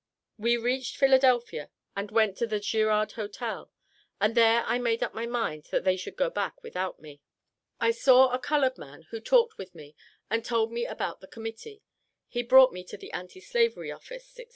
"We reached Philadelphia and went to the Girard Hotel, and there I made up my mind that they should go back without me. I saw a colored man who talked with me, and told me about the Committee. He brought me to the anti slavery office," etc.